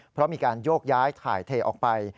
เพราะมีการโยกย้ายถ่ายเทออกไป